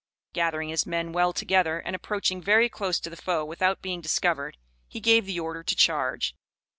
Gathering his men well together, and approaching very close to the foe without being discovered, he gave the order to charge.